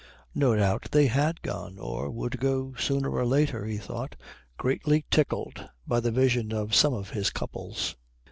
No doubt they had gone, or would go sooner or later, he thought, greatly tickled by the vision of some of his couples.